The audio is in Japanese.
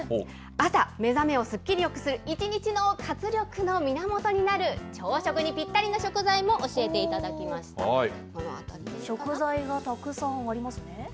朝、目覚めをすっきりよくする、一日の活力の源になる、朝食にぴったりの食材も教えていただきま食材がたくさんありますね。